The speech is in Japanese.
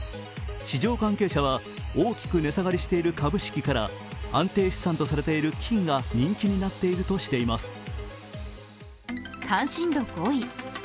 市場関係者は、大きく値下がりしている株式から安定資産とされている金が人気になっているとしています。